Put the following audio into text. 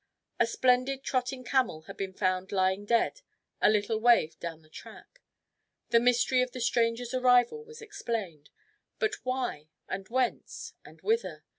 A splendid trotting camel had been found lying dead a little way down the track. The mystery of the stranger's arrival was explained. But why, and whence, and whither?